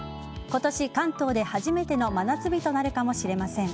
今年、関東で初めての真夏日となるかもしれません。